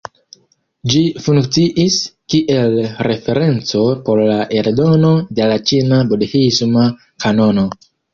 Ĝi funkciis kiel referenco por la eldono de la ĉina budhisma kanono.